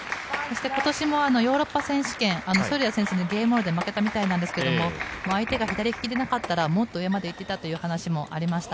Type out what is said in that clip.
今年もヨーロッパ選手権で負けたみたいなんですけど、相手が左利きでなかったら、もっと上まで行っていたという話もありました。